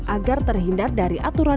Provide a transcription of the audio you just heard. agar terhindar dari aturan